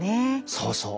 そうそう！